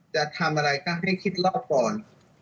จะทำอะไรก็ให้คิดรอบก่อน